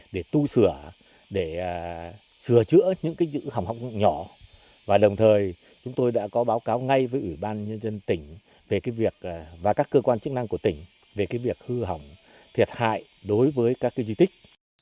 để tu sửa để sửa chữa những giữ hỏng hóc nhỏ và đồng thời chúng tôi đã có báo cáo ngay với ủy ban nhân dân tỉnh về việc và các cơ quan chức năng của tỉnh về việc hư hỏng thiệt hại đối với các di tích